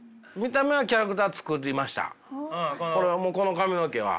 この髪の毛は。